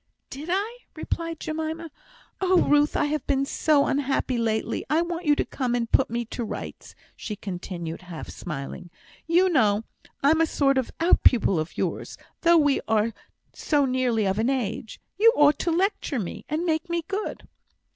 "Did I?" replied Jemima. "Oh, Ruth! I have been so unhappy lately. I want you to come and put me to rights," she continued, half smiling. "You know I'm a sort of out pupil of yours, though we are so nearly of an age. You ought to lecture me, and make me good."